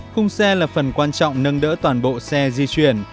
khung xe là phần quan trọng nâng đỡ toàn bộ xe di chuyển